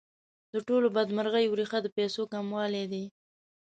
د ټولو بدمرغیو ریښه د پیسو کموالی دی.